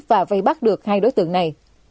và vây bắt được hai đối tượng này